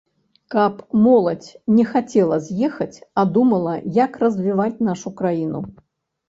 Каб моладзь не хацела з'ехаць, а думала, як развіваць нашу краіну.